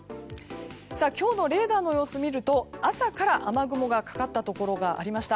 今日のレーダーの様子を見ると朝から雨雲がかかったところがありました。